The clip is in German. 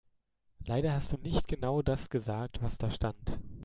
Leider hast du nicht genau das gesagt, was da stand.